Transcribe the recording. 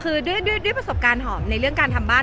คือด้วยประสบการณ์หอมในเรื่องการทำบ้าน